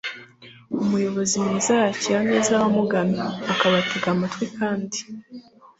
umuyobozi mwiza yakira neza abamugana, akabatega amatwi kandi